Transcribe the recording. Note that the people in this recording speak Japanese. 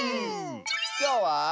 きょうは。